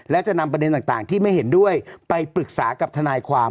และจะนำประเด็นต่างที่ไม่เห็นด้วยไปปรึกษากับทนายความ